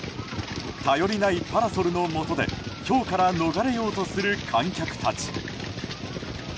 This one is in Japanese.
頼りないパラソルのもとでひょうから逃れようとする観客たち。